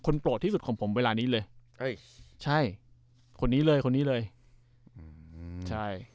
โปรดที่สุดของผมเวลานี้เลยเอ้ยใช่คนนี้เลยคนนี้เลยอืมใช่